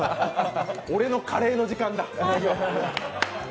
俺のカレーの時間だ！